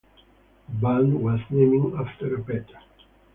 The band was named after a pet.